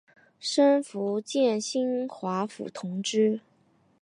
升福建兴化府同知。